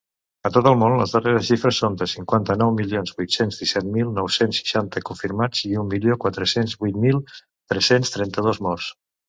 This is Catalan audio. A tot el món, les darreres xifres són de cinquanta-nou milions vuit-cents disset mil nou-cents seixanta confirmats i un milió quatre-cents vuit mil tres-cents trenta-dos morts.